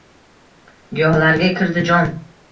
Giyohlarga kirdi jon